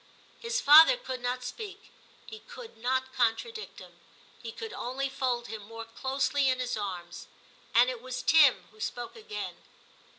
H is father could not speak : he could not contradict him, he could only fold him more closely in his arms ; and it was Tim who spoke again.